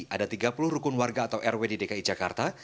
ada tiga puluh rukun warga atau rw di dki jakarta